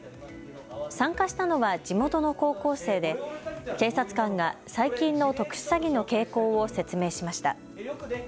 参加したのは地元の高校生で警察官が最近の特殊詐欺の傾向を説明しました。